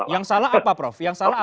yang salah apa prof